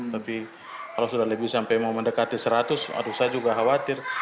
tapi kalau sudah lebih sampai mau mendekati seratus aduh saya juga khawatir